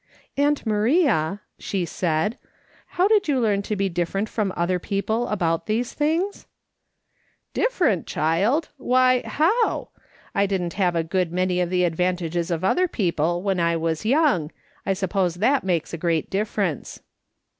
" Aunt Maria," she said, " how did you learn to be different from other people about these things ?"" Different, child ! Why, how ? I didn't have a good many of the advantages of other people when I was young ; I suppose that makes a great differ ence."